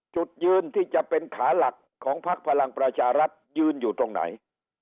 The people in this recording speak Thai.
จุดยืนที่จะเป็นขาหลักของพักพลังประชารัฐยืนอยู่ตรงไหน